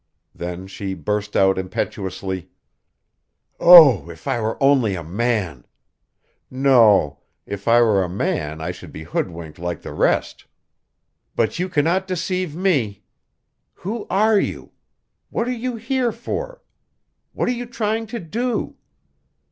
Then she burst out impetuously: "Oh, if I were only a man! No; if I were a man I should be hoodwinked like the rest. But you can not deceive me. Who are you? What are you here for? What are you trying to do?"